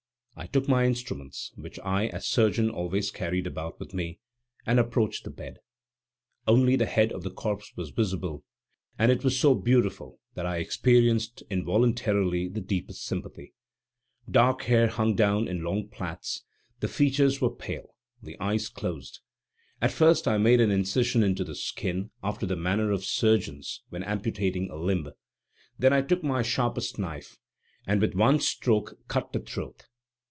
I took my instruments, which I as surgeon always carried about with me, and approached the bed. Only the head of the corpse was visible, and it was so beautiful that I experienced involuntarily the deepest sympathy. Dark hair hung down in long plaits, the features were pale, the eyes closed. At first I made an incision into the skin, after the manner of surgeons when amputating a limb. I then took my sharpest knife, and with one stroke cut the throat.